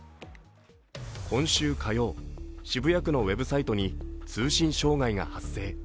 今週火曜、渋谷区のウェブサイトに通信障害が発生。